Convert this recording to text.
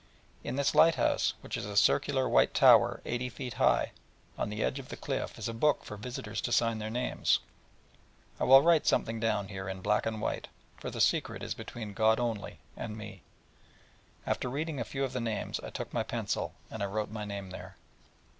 In this lighthouse, which is a circular white tower, eighty feet high, on the edge of the cliff, is a book for visitors to sign their names: and I will write something down here in black and white: for the secret is between God only, and me: After reading a few of the names, I took my pencil, and I wrote my name there.